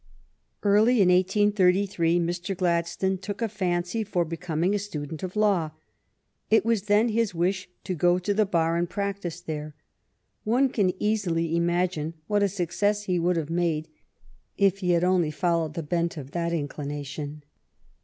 Early in 1833 Mr. Gladstone took a fancy for becoming a student of law. It was then his wish to go to the bar and practise there. One can easily imagine what a success he would have made if he had only followed the bent of that inclination.